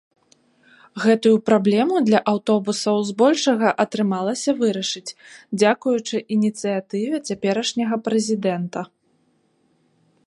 Гэтую праблему для аўтобусаў збольшага атрымалася вырашыць, дзякуючы ініцыятыве цяперашняга прэзідэнта.